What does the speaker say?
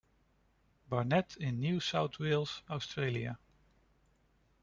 Barnett in New South Wales, Australia.